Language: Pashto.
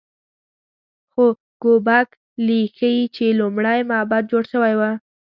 خو ګوبک لي ښيي چې لومړی معبد جوړ شوی و.